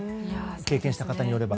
経験した方によれば。